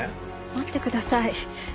待ってください。